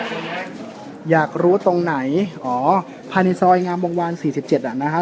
คอยคอยคอยคอยอยากรู้ตรงไหนอ๋อภาณีซอยงามบรงวาลสี่สิบเจ็ดอ่ะนะฮะ